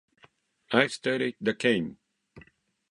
I've studied the game.